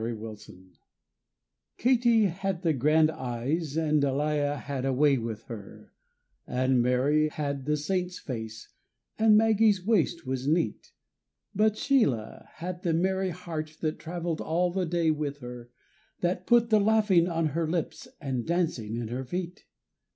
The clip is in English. _ SHEILA Katie had the grand eyes and Delia had a way with her, And Mary had the Saints' face and Maggie's waist was neat, But Sheila had the merry heart that travelled all the day with her, That put the laughing on her lips and dancing in her feet.